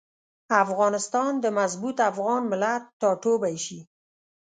افغانستان د مضبوط افغان ملت ټاټوبی شي.